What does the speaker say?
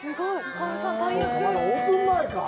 オープン前か。